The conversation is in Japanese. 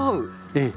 ええ。